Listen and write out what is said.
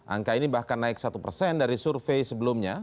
angka ini bahkan naik satu persen dari survei sebelumnya